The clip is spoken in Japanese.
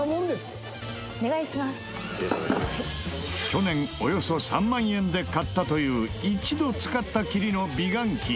去年およそ３万円で買ったという１度使ったきりの美顔器。